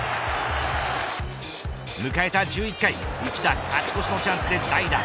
迎えた１１回一打勝ち越しのチャンスで代打